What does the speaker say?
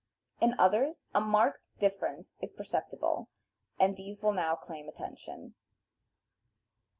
In others a marked difference is perceptible, and these will now claim attention.